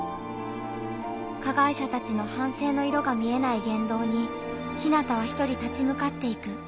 加害者たちの反省の色が見えない言動にひなたは一人立ちむかっていく。